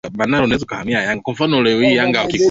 Ningeomba wazazi wote waje huku mbele.